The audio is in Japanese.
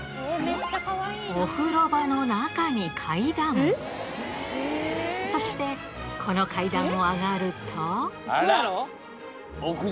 お風呂場の中に階段そしてこの階段を上がるとあら屋上？